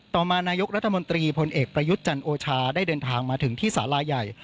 ต่อมานายกรัฐมนตรีพลเอกประยุทธ์จันโอชาได้เดินทางมาถึงที่สาลาใหญ่